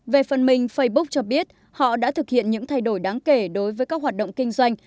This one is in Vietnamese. về phần mình facebook cho biết họ đã thực hiện những thay đổi đáng kể đối với các hoạt động kinh doanh